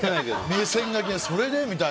目線がそれで？みたいな。